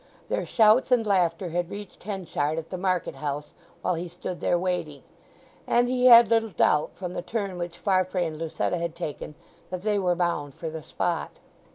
Their shouts and laughter had reached Henchard at the Market House, while he stood there waiting, and he had little doubt from the turn which Farfrae and Lucetta had taken that they were bound for the spot.